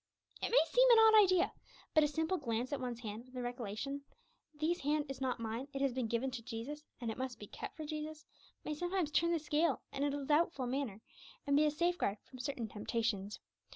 It may seem an odd idea, but a simple glance at one's hand, with the recollection, 'This hand is not mine; it has been given to Jesus, and it must be kept for Jesus,' may sometimes turn the scale in a doubtful matter, and be a safeguard from certain temptations.